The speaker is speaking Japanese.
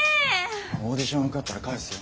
オーディション受かったら返すよ。